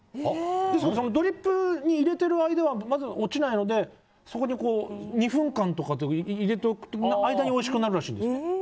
そのドリップに入れている間は落ちないので２分間とかいれておいて間においしくなるらしいんです。